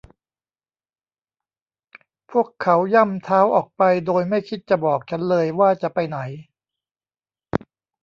พวกเขาย่ำเท้าออกไปโดยไม่คิดจะบอกฉันเลยว่าจะไปไหน